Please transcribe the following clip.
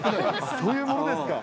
そういうものですか。